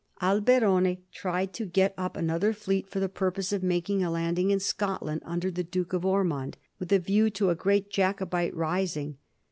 Alberoni tried to get up another fleet for the purpose of making a landing in Scotland under the Duke of Ormond, with a view to a great Jacobite rising.